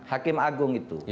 hakim agung itu